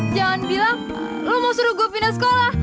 jangan bilang lo mau suruh gue pindah sekolah